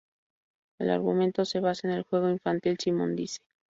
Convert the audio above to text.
El argumento, se basa en el juego infantil "Simón dice".